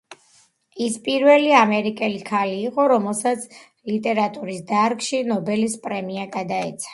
ის პირველი ამერიკელი ქალი იყო, რომელსაც ლიტერატურის დარგში ნობელის პრემია გადაეცა.